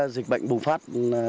dịch bệnh bùng phát